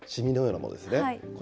染みのようなものですね。